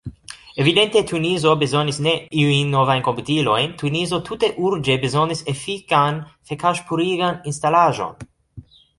Evidente Tunizo bezonis ne iujn novajn komputilojn, Tunizo tute urĝe bezonis efikan fekaĵpurigan instalaĵon.